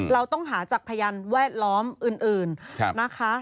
เราต้องหาจากพยานแวดล้อมอื่นนะคะ